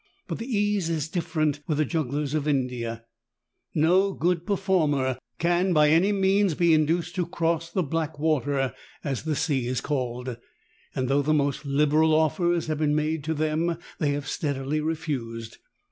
But the case is different with the jugglers of India ; no good performer can by any means be induced to cross "the black water," as the sea is called, and though the most liberal offers have been made to them they have steadily refused.